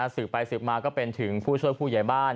ศึกไปศึกมาจะเป็นถึงช่วยผู้ใหญ่บ้าน